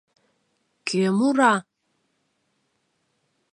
кӧ мура